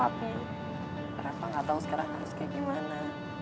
tapi kenapa enggak tahu sekarang harus kayak gimana